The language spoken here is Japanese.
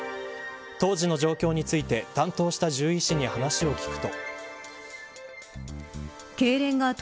当時の状況について担当した獣医師に話を聞くと。